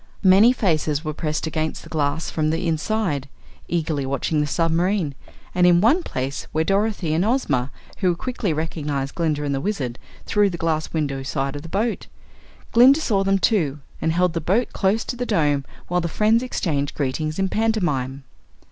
Many faces were pressed against the glass from the inside, eagerly watching the submarine, and in one place were Dorothy and Ozma, who quickly recognized Glinda and the Wizard through the glass windows of the boat. Glinda saw them, too, and held the boat close to the Dome while the friends exchanged greetings in pantomime.